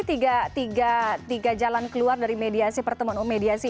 terima kasih tiga jalan keluar dari mediasi pertemuan um mediasi